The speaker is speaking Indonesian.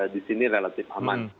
di sini relatif aman